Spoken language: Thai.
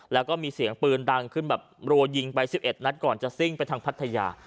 แล้วก็มีเสียงปืนดังขึ้นแบบรัวยิงไป๑๑นัดก่อนจะซิ่งไปทางพัทยา